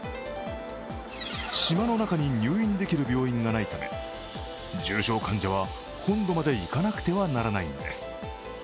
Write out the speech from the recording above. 島の中に入院できる病院がないため、重症患者は本土まで行かなくてはならないんです。